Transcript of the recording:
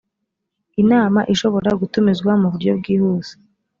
inama ishobora gutumizwa mu buryo bwihuse